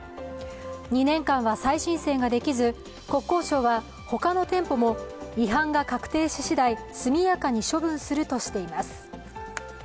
２年間は再申請ができず、国交省は他の店舗も違反が確定ししだい、速やかに処分するとしています。